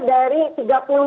dan satu dua tahun pertama ini